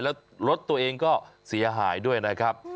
แล้วรถตัวเองก็เสียหายด้วยนะครับ